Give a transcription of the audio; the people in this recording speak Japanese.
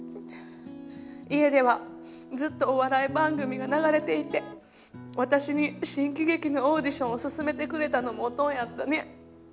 家ではずっとお笑い番組が流れていて私に新喜劇のオーディションを勧めてくれたのもおとんやったね。